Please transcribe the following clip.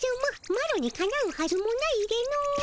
マロにかなうはずもないでの。